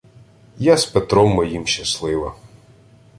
Я з Петром моїм щаслива